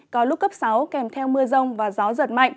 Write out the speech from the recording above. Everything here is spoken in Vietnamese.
có lúc cấp sáu kèm theo mưa rông và gió giật mạnh